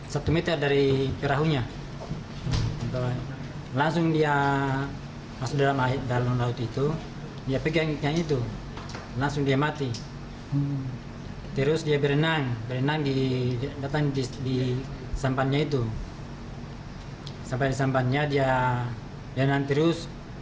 sampai di sampannya dia jalan terus